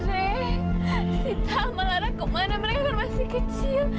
si tamal anakku mana mereka kan masih kecil